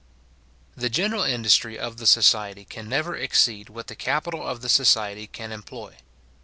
The general industry of the society can never exceed what the capital of the society can employ.